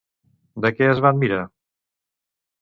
De què es va admirar?